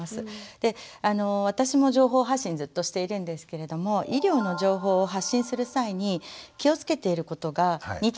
で私も情報発信ずっとしているんですけれども医療の情報を発信する際に気をつけていることが２点あります。